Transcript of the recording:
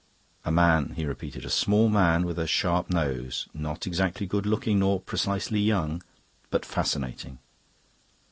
"A man," he repeated "a small man with a sharp nose, not exactly good looking nor precisely young, but fascinating."